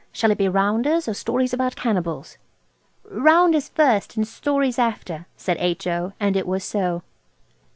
Shall it be rounders, or stories about cannibals?" "Rounders first and stories after," said H.O. And it was so.